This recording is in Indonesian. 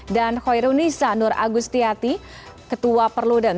dan hoironisa nur agustiyati ketua perludem